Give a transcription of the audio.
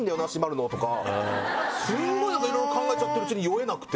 スゴいいろいろ考えちゃってるうちに酔えなくて。